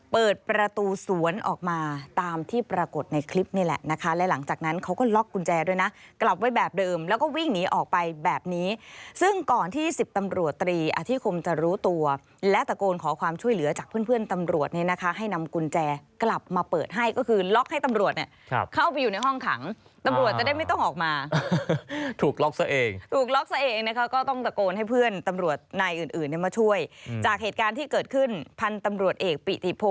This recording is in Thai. เปิดประตูสวนออกมาตามที่ปรากฏในคลิปนี้แหละนะคะและหลังจากนั้นเขาก็ล็อกกุญแจด้วยนะกลับไว้แบบเดิมแล้วก็วิ่งหนีออกไปแบบนี้ซึ่งก่อนที่สิบตำรวจตรีอธิคมจะรู้ตัวและตะโกนขอความช่วยเหลือจากเพื่อนตำรวจนี้นะคะให้นำกุญแจกลับมาเปิดให้ก็คือล็อกให้ตำรวจเนี่ยเข้าไปอยู่ในห้องขังตำรวจจะได้ไม่ต้